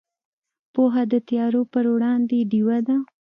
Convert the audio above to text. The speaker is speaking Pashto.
پوهه د تیارو پر وړاندې ډیوه ده.